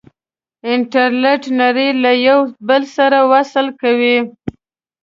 انټرنیټ نړۍ له یو بل سره وصل کوي.